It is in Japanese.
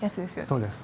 そうです。